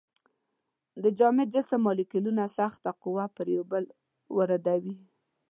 د جامد جسم مالیکولونه سخته قوه پر یو بل واردوي.